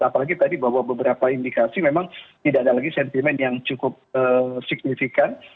apalagi tadi bahwa beberapa indikasi memang tidak ada lagi sentimen yang cukup signifikan